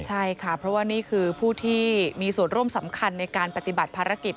ใช่ค่ะเพราะว่านี่คือผู้ที่มีส่วนร่วมสำคัญในการปฏิบัติภารกิจ